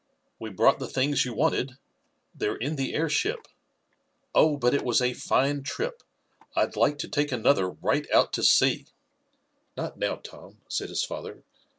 We brought the things you wanted. They're in the airship. Oh, but it was a fine trip. I'd like to take another right out to sea." "Not now, Tom," said his father.